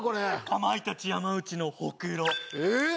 かまいたち山内のホクロえーっ？